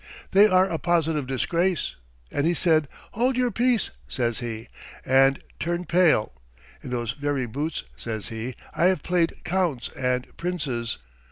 They are a positive disgrace!' and he said: 'Hold your peace,' says he, 'and turn pale! In those very boots,' says he, 'I have played counts and princes.'